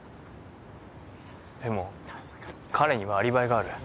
でも彼にはアリバイがある。